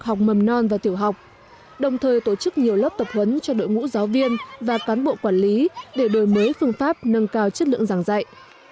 một số điểm trường ở bậc học mầm non và tiểu học đồng thời tổ chức nhiều lớp tập huấn cho đội ngũ giáo viên và cán bộ quản lý để đổi mới phương pháp nâng cao chất lượng giảng dạy